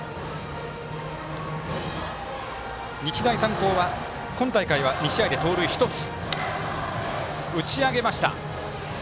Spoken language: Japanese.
日大三高今大会は２試合で盗塁１つ。